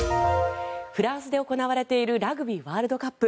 フランスで行われているラグビーワールドカップ。